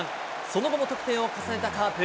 その後も得点を重ねたカープ。